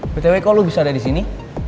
btw kok lo bisa ada disini